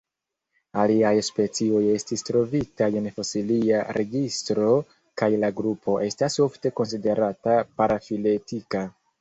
Aliaj specioj estis trovitaj en fosilia registro kaj la grupo estas ofte konsiderata parafiletika.